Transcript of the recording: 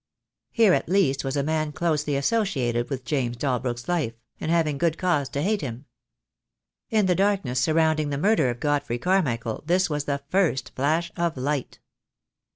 Here at least was a man closely associated with James Dalbrook's life, and having good cause to hate him. In the darkness surrounding the murder of Godfrey Car michael this was the first flash of light.